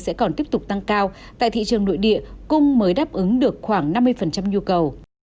sẽ còn tiếp tục tăng cao tại thị trường nội địa cung mới đáp ứng được khoảng năm mươi nhu cầu